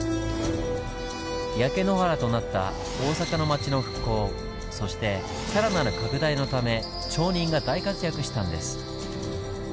焼け野原となった大阪の町の復興そしてさらなる拡大のため町人が大活躍したんです。